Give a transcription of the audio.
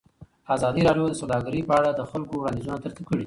ازادي راډیو د سوداګري په اړه د خلکو وړاندیزونه ترتیب کړي.